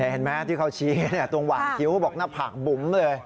เห็นไหมที่เขาชี้ตรงหวานคิ้วบอกหน้าผากบุ๋มเลย